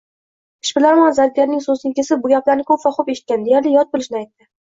Ishbilarmon zargarning soʻzini kesib, bu gaplarni koʻp va xoʻb eshitgani, deyarli yod bilishini aytdi